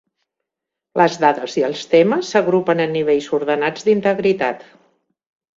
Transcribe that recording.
Les dades i els temes s'agrupen en nivells ordenats d'integritat.